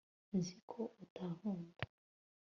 nzi ko utankunda